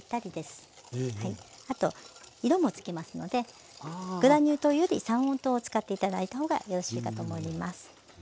あと色もつきますのでグラニュー糖より三温糖を使って頂いた方がよろしいかと思います。